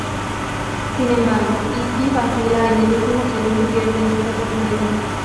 Sin embargo, Ikki vacila en el último segundo y pierden esta oportunidad.